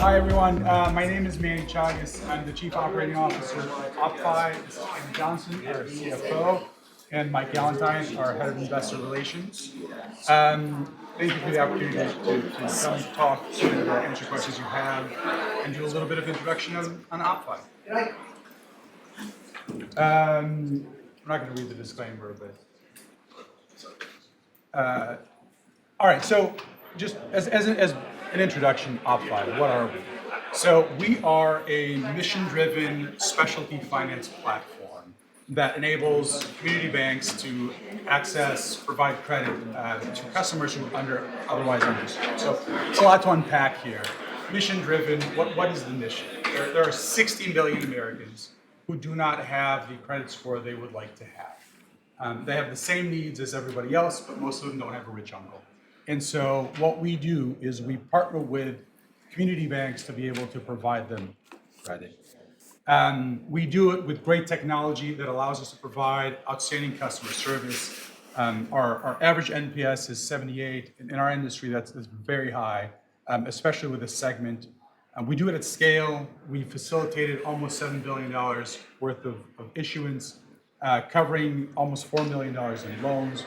Hi, everyone. My name is Manny Chagas. I'm the Chief Operating Officer of OppFi. This is Pamela Johnson, our CFO, and Mike Gallentine, our Head of Investor Relations. Thank you for the opportunity to come talk to answer questions you have and do a little bit of introduction on OppFi. We're not going to read the disclaimer. All right. So just as an introduction, OppFi, what are we? So we are a mission-driven specialty finance platform that enables community banks to access, provide credit to customers who are otherwise in distress. So it's a lot to unpack here. Mission-driven, what is the mission? There are 60 million Americans who do not have the credit score they would like to have. They have the same needs as everybody else, but most of them don't have a rich uncle. And so what we do is we partner with community banks to be able to provide them credit. We do it with great technology that allows us to provide outstanding customer service. Our average NPS is 78. In our industry, that's very high, especially with a segment. We do it at scale. We facilitated almost $7 billion worth of issuance, covering almost $4 million in loans.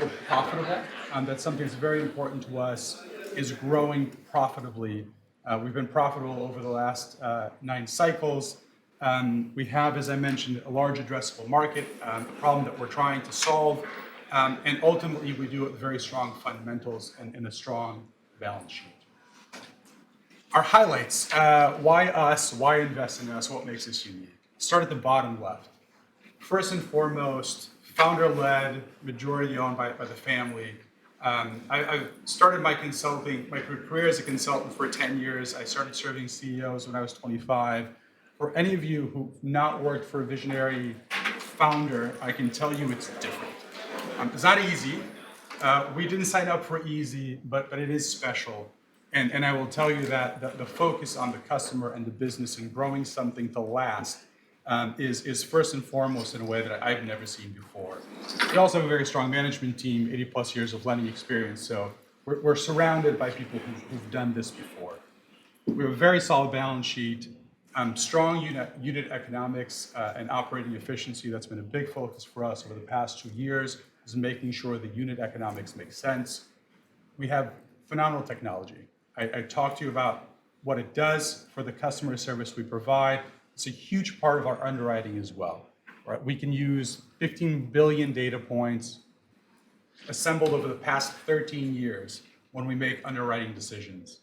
We're profitable. That's something that's very important to us, is growing profitably. We've been profitable over the last nine cycles. We have, as I mentioned, a large addressable market, a problem that we're trying to solve. And ultimately, we do it with very strong fundamentals and a strong balance sheet. Our highlights: why us, why invest in us, what makes us unique. Start at the bottom left. First and foremost, founder-led, majority owned by the family. I started my career as a consultant for 10 years. I started serving CEOs when I was 25. For any of you who have not worked for a visionary founder, I can tell you it's different. It's not easy. We didn't sign up for easy, but it is special, and I will tell you that the focus on the customer and the business and growing something to last is first and foremost in a way that I've never seen before. We also have a very strong management team, 80+ years of lending experience, so we're surrounded by people who've done this before. We have a very solid balance sheet, strong unit economics, and operating efficiency. That's been a big focus for us over the past two years, is making sure the unit economics make sense. We have phenomenal technology. I talked to you about what it does for the customer service we provide. It's a huge part of our underwriting as well. We can use 15 billion data points assembled over the past 13 years when we make underwriting decisions,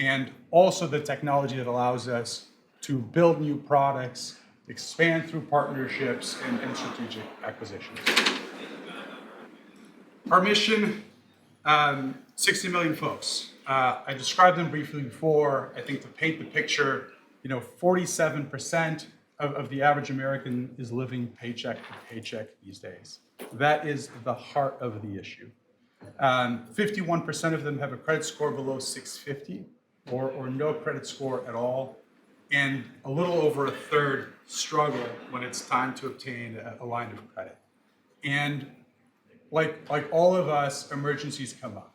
and also the technology that allows us to build new products, expand through partnerships, and strategic acquisitions. Our mission: 60 million folks. I described them briefly before. I think to paint the picture, 47% of the average American is living paycheck to paycheck these days. That is the heart of the issue. 51% of them have a credit score below 650 or no credit score at all, and a little over a third struggle when it's time to obtain a line of credit. And like all of us, emergencies come up,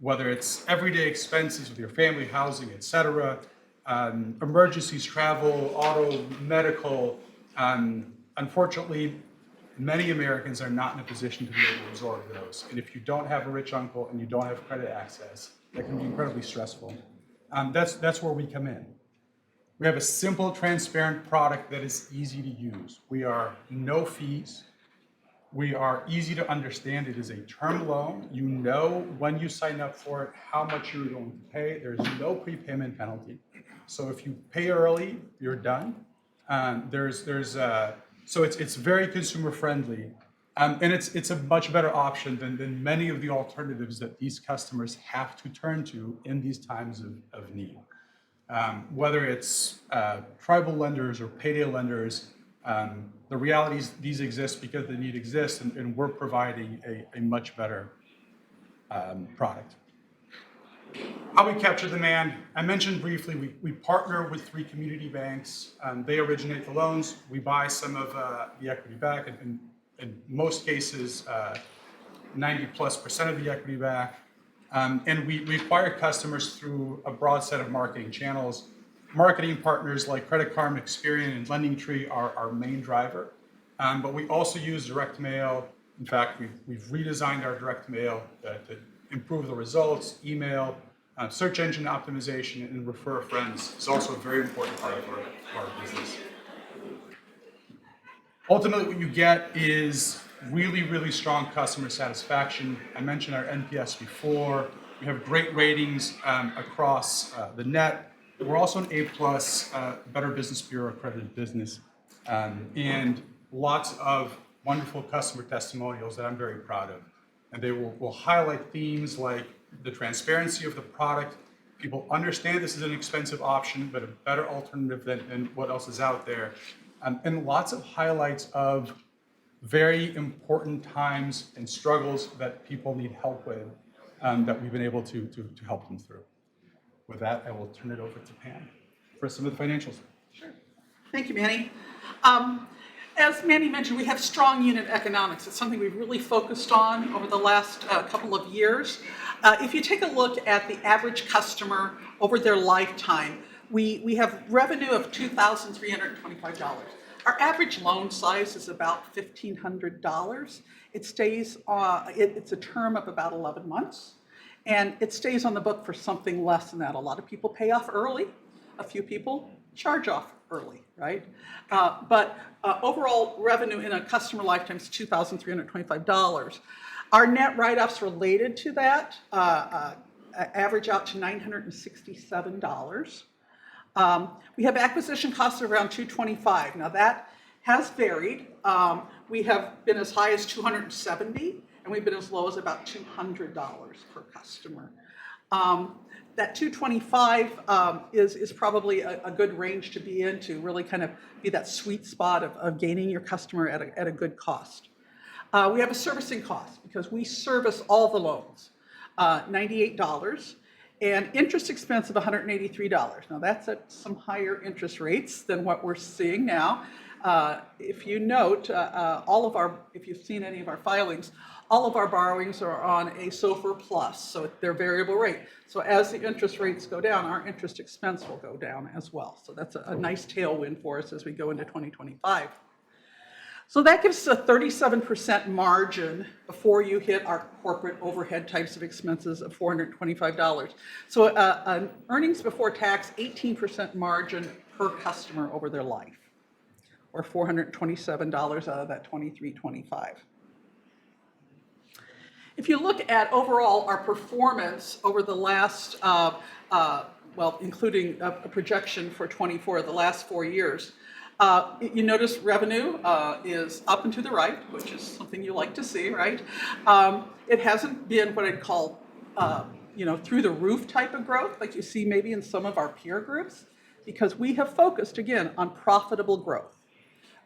whether it's everyday expenses with your family, housing, et cetera, emergencies, travel, auto, medical. Unfortunately, many Americans are not in a position to be able to absorb those. And if you don't have a rich uncle and you don't have credit access, that can be incredibly stressful. That's where we come in. We have a simple, transparent product that is easy to use. We are no fees. We are easy to understand. It is a term loan. You know when you sign up for it how much you're going to pay. There is no prepayment penalty. So if you pay early, you're done. So it's very consumer-friendly. And it's a much better option than many of the alternatives that these customers have to turn to in these times of need. Whether it's tribal lenders or payday lenders, the reality is these exist because the need exists, and we're providing a much better product. How we capture demand. I mentioned briefly, we partner with three community banks. They originate the loans. We buy some of the equity back, in most cases, 90+% of the equity back. And we acquire customers through a broad set of marketing channels. Marketing partners like Credit Karma, Experian, and LendingTree are our main driver. But we also use direct mail. In fact, we've redesigned our direct mail to improve the results: email, search engine optimization, and refer friends. It's also a very important part of our business. Ultimately, what you get is really, really strong customer satisfaction. I mentioned our NPS before. We have great ratings across the net. We're also an A+ Better Business Bureau accredited business and lots of wonderful customer testimonials that I'm very proud of. And they will highlight themes like the transparency of the product. People understand this is an expensive option, but a better alternative than what else is out there and lots of highlights of very important times and struggles that people need help with that we've been able to help them through. With that, I will turn it over to Pam for some of the financials. Sure. Thank you, Manny. As Manny mentioned, we have strong unit economics. It's something we've really focused on over the last couple of years. If you take a look at the average customer over their lifetime, we have revenue of $2,325. Our average loan size is about $1,500. It's a term of about 11 months, and it stays on the book for something less than that. A lot of people pay off early. A few people charge off early, right? But overall revenue in a customer lifetime is $2,325. Our net write-offs related to that average out to $967. We have acquisition costs around $225. Now, that has varied. We have been as high as $270, and we've been as low as about $200 per customer. That $225 is probably a good range to be in to really kind of be that sweet spot of gaining your customer at a good cost. We have a servicing cost because we service all the loans: $98 and interest expense of $183. Now, that's at some higher interest rates than what we're seeing now. If you note, if you've seen any of our filings, all of our borrowings are on a SOFR plus, so their variable rate. So as the interest rates go down, our interest expense will go down as well. So that's a nice tailwind for us as we go into 2025. So that gives us a 37% margin before you hit our corporate overhead types of expenses of $425. So earnings before tax, 18% margin per customer over their life, or $427 out of that $2,325. If you look at overall our performance over the last, well, including a projection for 2024, the last four years, you notice revenue is up and to the right, which is something you like to see, right? It hasn't been what I'd call through-the-roof type of growth, like you see maybe in some of our peer groups, because we have focused, again, on profitable growth.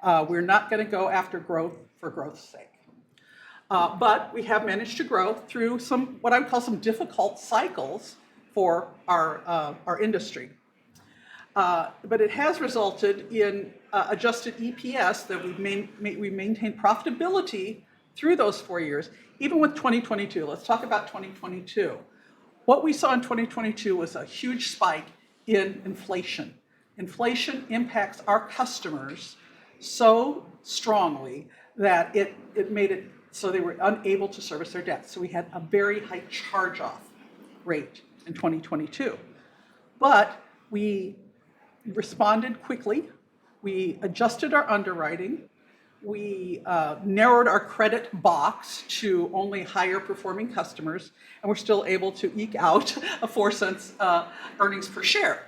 We're not going to go after growth for growth's sake. But we have managed to grow through what I would call some difficult cycles for our industry. But it has resulted in Adjusted EPS that we maintained profitability through those four years, even with 2022. Let's talk about 2022. What we saw in 2022 was a huge spike in inflation. Inflation impacts our customers so strongly that it made it so they were unable to service their debt. So we had a very high charge-off rate in 2022. But we responded quickly. We adjusted our underwriting. We narrowed our credit box to only higher-performing customers, and we're still able to eke out a $0.04 earnings per share.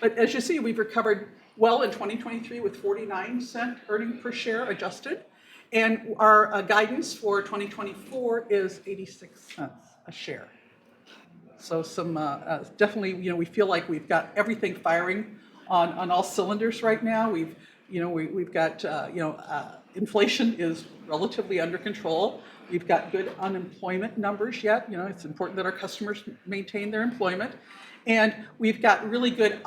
But as you see, we've recovered well in 2023 with $0.49 earnings per share adjusted. And our guidance for 2024 is $0.86 a share. So definitely, we feel like we've got everything firing on all cylinders right now. We've got inflation is relatively under control. We've got good unemployment numbers yet. It's important that our customers maintain their employment. And we've got really good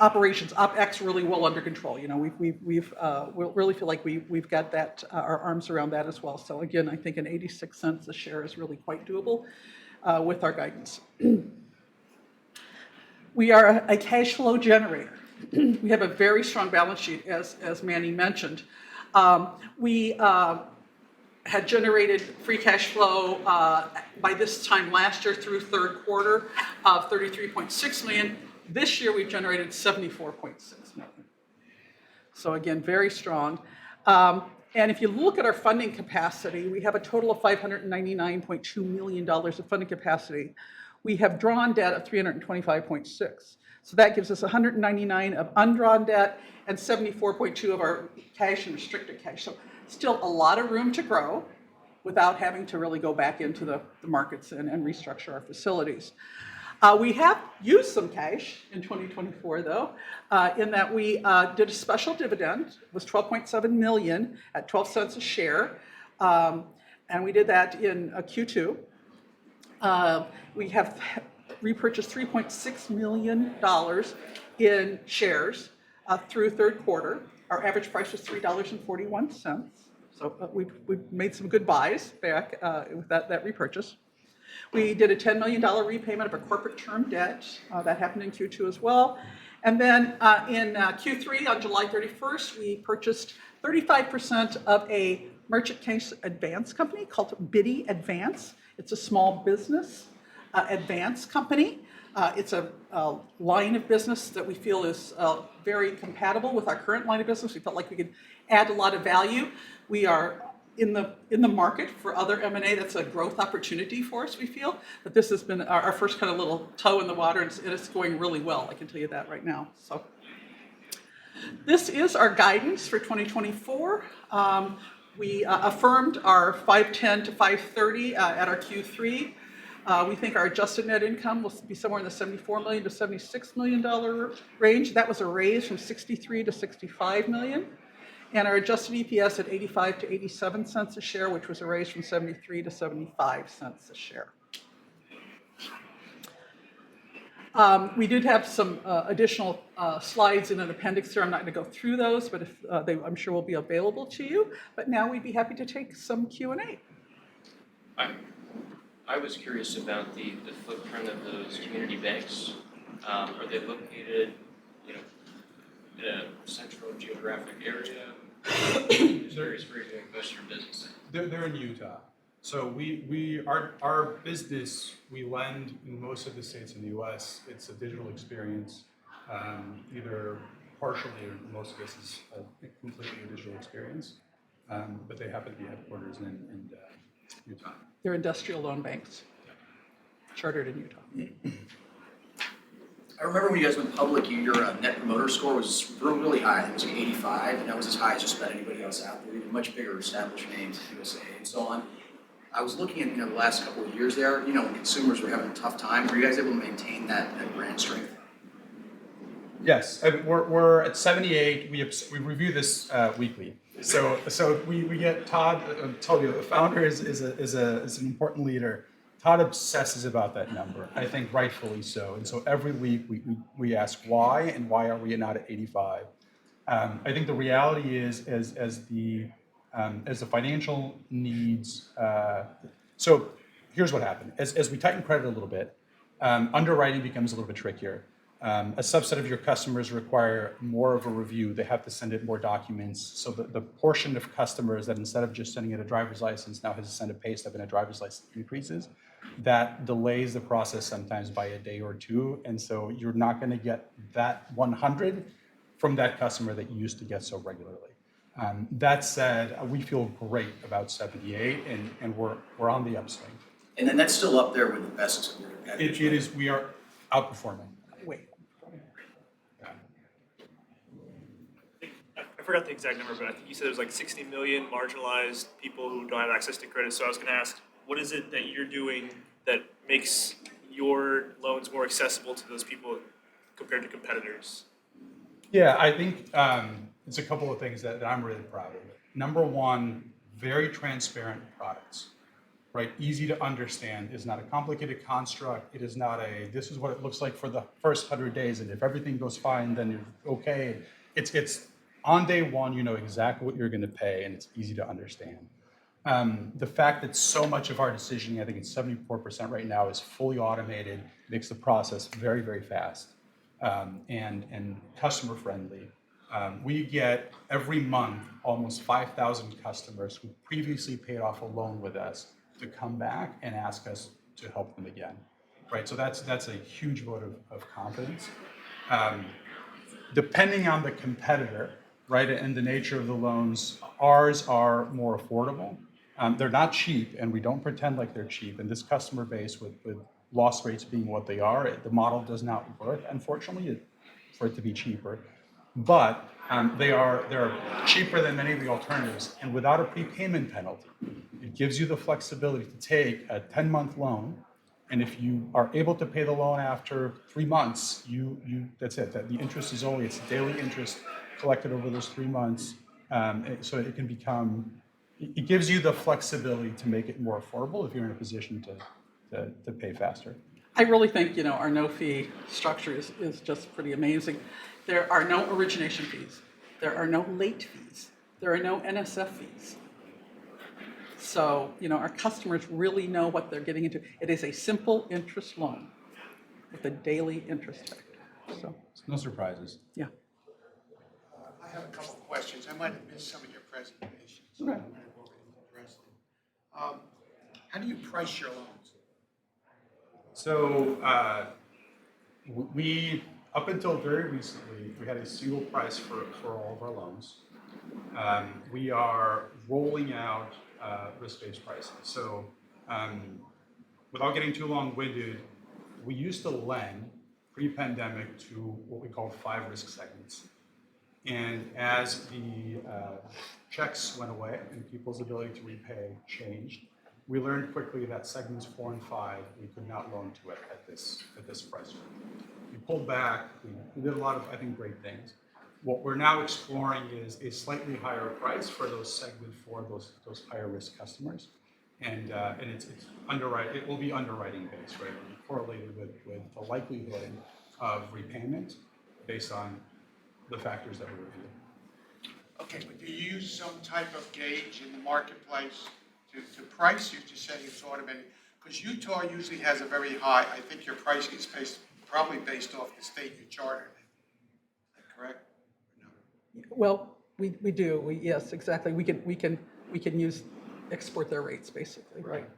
opex really well under control. We really feel like we've got our arms around that as well. So again, I think an $0.86 a share is really quite doable with our guidance. We are a cash flow generator. We have a very strong balance sheet, as Manny mentioned. We had generated free cash flow by this time last year through third quarter of $33.6 million. This year, we've generated $74.6 million. So again, very strong. And if you look at our funding capacity, we have a total of $599.2 million of funding capacity. We have drawn debt of $325.6 million. So that gives us $199 million of undrawn debt and $74.2 million of our cash and restricted cash. So still a lot of room to grow without having to really go back into the markets and restructure our facilities. We have used some cash in 2024, though, in that we did a special dividend. It was $12.7 million at $0.12 a share. And we did that in Q2. We have repurchased $3.6 million in shares through third quarter. Our average price was $3.41. We made some good buys back with that repurchase. We did a $10 million repayment of our corporate term debt. That happened in Q2 as well. Then in Q3, on July 31st, we purchased 35% of a merchant cash advance company called Bitty Advance. It's a small business advance company. It's a line of business that we feel is very compatible with our current line of business. We felt like we could add a lot of value. We are in the market for other M&A. That's a growth opportunity for us, we feel. This has been our first kind of little toe in the water, and it's going really well. I can tell you that right now. This is our guidance for 2024. We affirmed our $5.10-$5.30 at our Q3. We think our adjusted net income will be somewhere in the $74 million-$76 million dollar range. That was a raise from $63 million-$65 million. And our adjusted EPS at $0.85-$0.87 a share, which was a raise from $0.73-$0.75 a share. We did have some additional slides in an appendix here. I'm not going to go through those, but I'm sure they will be available to you. But now we'd be happy to take some Q&A. I was curious about the footprint of those community banks. Are they located in a central geographic area? Sorry, just revisiting a question of business. They're in Utah. So our business, we lend in most of the states in the U.S. It's a digital experience, either partially or most of this is completely a digital experience. But they happen to be headquartered in Utah. They're Industrial Loan Banks. Yeah. Chartered in Utah. I remember when you guys went public, your Net Promoter Score was really high. It was 85, and that was as high as I've seen anybody else out there. Even much bigger established names in the USA and so on. I was looking at the last couple of years there. Consumers were having a tough time. Were you guys able to maintain that brand strength? Yes. We're at 78. We review this weekly. So we get Todd, I'll tell you, the founder is an important leader. Todd obsesses about that number, I think rightfully so. And so every week, we ask why and why are we not at 85? I think the reality is, as the financial needs so here's what happened. As we tighten credit a little bit, underwriting becomes a little bit trickier. A subset of your customers require more of a review. They have to send it more documents. So the portion of customers that instead of just sending it a driver's license now has to send a pay stub and a driver's license increases, that delays the process sometimes by a day or two. And so you're not going to get that 100 from that customer that you used to get so regularly. That said, we feel great about 78, and we're on the upswing. That's still up there with the best. It is. We are outperforming. Wait. I forgot the exact number, but I think you said it was like 60 million marginalized people who don't have access to credit, so I was going to ask, what is it that you're doing that makes your loans more accessible to those people compared to competitors? Yeah, I think it's a couple of things that I'm really proud of. Number one, very transparent products, right? Easy to understand. It's not a complicated construct. It is not a, this is what it looks like for the first 100 days. And if everything goes fine, then it's okay. On day one, you know exactly what you're going to pay, and it's easy to understand. The fact that so much of our decision, I think it's 74% right now, is fully automated, makes the process very, very fast and customer-friendly. We get every month almost 5,000 customers who previously paid off a loan with us to come back and ask us to help them again, right? So that's a huge vote of confidence. Depending on the competitor, right, and the nature of the loans, ours are more affordable. They're not cheap, and we don't pretend like they're cheap. And this customer base, with loss rates being what they are, the model does not work, unfortunately, for it to be cheaper. But they are cheaper than many of the alternatives. And without a prepayment penalty, it gives you the flexibility to take a 10-month loan. And if you are able to pay the loan after three months, that's it. The interest is only, it's daily interest collected over those three months. So it can become, it gives you the flexibility to make it more affordable if you're in a position to pay faster. I really think our no-fee structure is just pretty amazing. There are no origination fees. There are no late fees. There are no NSF fees. So our customers really know what they're getting into. It is a simple interest loan with a daily interest check, so. It's no surprise. Yeah. I have a couple of questions. I might have missed some of your presentations, so I'm wondering what we're going to address there. How do you price your loans? So up until very recently, we had a single price for all of our loans. We are rolling out risk-based pricing. So without getting too long-winded, we used to lend pre-pandemic to what we called five risk segments. And as the checks went away and people's ability to repay changed, we learned quickly that segments four and five, we could not loan to it at this price range. We pulled back. We did a lot of, I think, great things. What we're now exploring is a slightly higher price for those segment four, those higher risk customers. And it will be underwriting-based, right? Correlated with the likelihood of repayment based on the factors that we reviewed. Okay. But do you use some type of gauge in the marketplace to price? You just said it's automated. Because Utah usually has a very high, I think your price is probably based off the state you chartered it. Is that correct or no? Well, we do. Yes, exactly. We can export their rates, basically, right?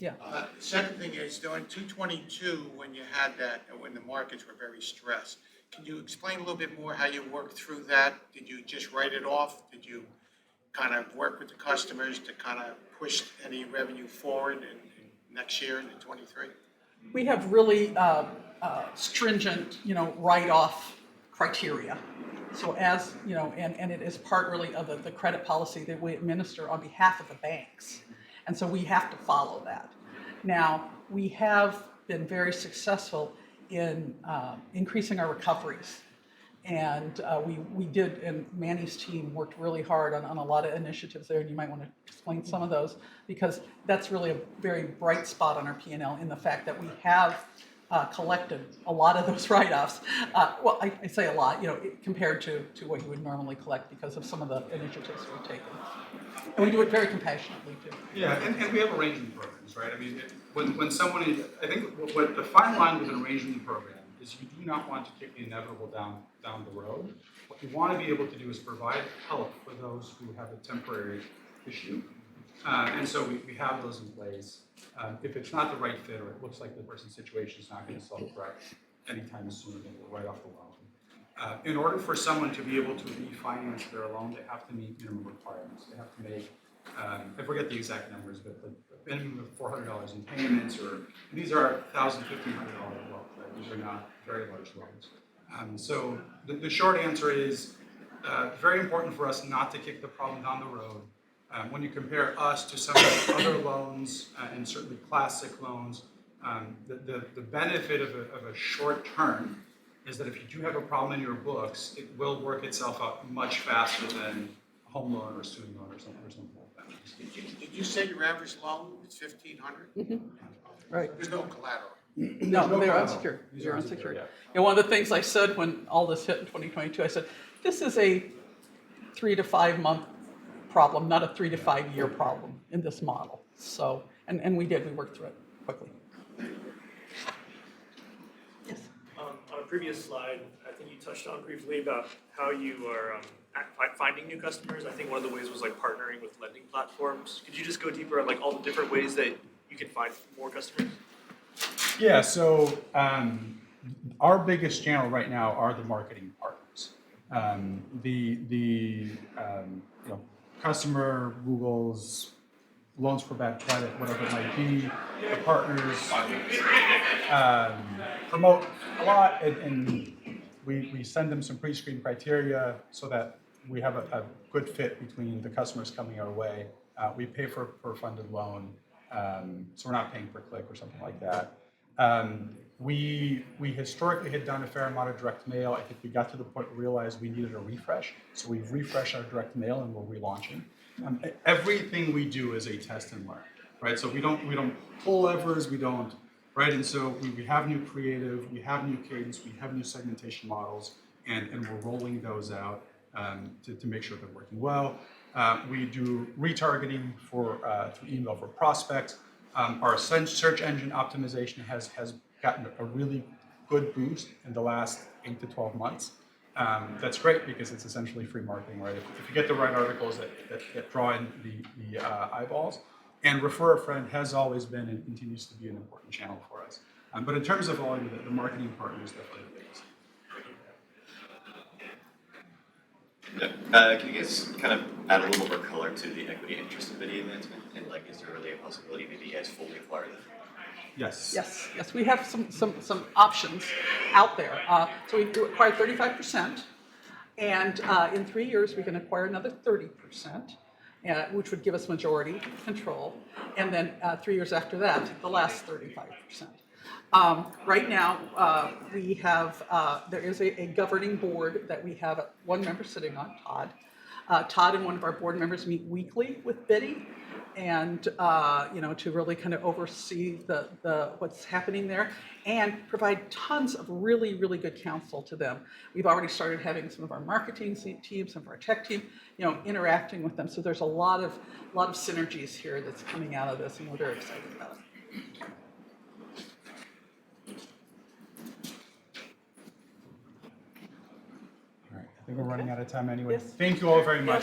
Yeah. Second thing is during 2022, when you had that, when the markets were very stressed, can you explain a little bit more how you worked through that? Did you just write it off? Did you kind of work with the customers to kind of push any revenue forward next year in 2023? We have really stringent write-off criteria. And it is part really of the credit policy that we administer on behalf of the banks. And so we have to follow that. Now, we have been very successful in increasing our recoveries. And we did, and Manny's team worked really hard on a lot of initiatives there. And you might want to explain some of those because that's really a very bright spot on our P&L, in the fact that we have collected a lot of those write-offs. Well, I say a lot compared to what you would normally collect because of some of the initiatives we've taken. And we do it very compassionately too. Yeah. And we have arrangement programs, right? I mean, when someone, I think what the fine line with an arrangement program is you do not want to kick the inevitable down the road. What you want to be able to do is provide help for those who have a temporary issue. And so we have those in place. If it's not the right fit or it looks like the person's situation is not going to solve for us anytime soon, then we'll write off the loan. In order for someone to be able to refinance their loan, they have to meet minimum requirements. They have to make, I forget the exact numbers, but a minimum of $400 in payments or these are $1,000, $1,500 loans, right? These are not very large loans. So the short answer is very important for us not to kick the problem down the road. When you compare us to some of the other loans and certainly classic loans, the benefit of a short term is that if you do have a problem in your books, it will work itself out much faster than a home loan or a student loan or something like that. Did you say your average loan is $1,500? Right. There's no collateral. No, they're unsecured. They're unsecured. Yeah. One of the things I said when all this hit in 2022, I said, "This is a three-to-five-month problem, not a three-to-five-year problem in this model." And we did. We worked through it quickly. On a previous slide, I think you touched on briefly about how you are finding new customers. I think one of the ways was partnering with lending platforms. Could you just go deeper on all the different ways that you can find more customers? Yeah. So our biggest channel right now are the marketing partners. The customer Googles loans for bad credit, whatever it might be. The partners promote a lot. And we send them some pre-screen criteria so that we have a good fit between the customers coming our way. We pay for a funded loan. So we're not paying for clicks or something like that. We historically had done a fair amount of direct mail. I think we got to the point we realized we needed a refresh. So we refreshed our direct mail and we're relaunching. Everything we do is a test and learn, right? So we don't pull levers. We don't, right? And so we have new creative. We have new cadence. We have new segmentation models. And we're rolling those out to make sure they're working well. We do retargeting through email for prospects. Our search engine optimization has gotten a really good boost in the last eight to 12 months. That's great because it's essentially free marketing, right, if you get the right articles that draw in the eyeballs, and refer a friend has always been and continues to be an important channel for us, but in terms of volume, the marketing partner is definitely the biggest. Can you guys kind of add a little more color to the equity interest in Bitty Advance? And is there really a possibility to be as fully funded? Yes. Yes. Yes. We have some options out there. So we acquired 35%. And in three years, we can acquire another 30%, which would give us majority control. And then three years after that, the last 35%. Right now, there is a governing board that we have one member sitting on, Todd. Todd and one of our board members meet weekly with Bitty to really kind of oversee what's happening there and provide tons of really, really good counsel to them. We've already started having some of our marketing team, some of our tech team interacting with them. So there's a lot of synergies here that's coming out of this, and we're very excited about it. All right. I think we're running out of time anyway. Thank you all very much.